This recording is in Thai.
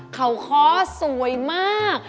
เขาค้อสวยมาก